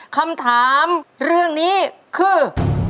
คำถามเรื่องนี้คือ